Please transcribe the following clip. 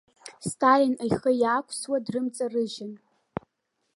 Сталин ихы иаақәсуа, дрымҵарыжьын.